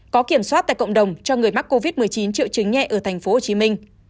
có kiểm soát tại cộng đồng cho người mắc covid một mươi chín triệu chứng nhẹ ở tp hcm